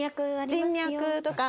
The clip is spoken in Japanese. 人脈とか。